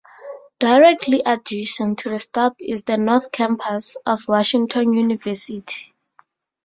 Directly adjacent to the stop is the North Campus of Washington University.